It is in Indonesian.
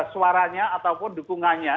suaranya ataupun dukungannya